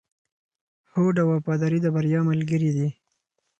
هوډ او وفاداري د بریا ملګري دي.